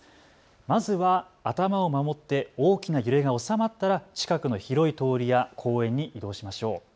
まずは頭を守って大きな揺れが収まったら近くの広い通りや公園に移動しましょう。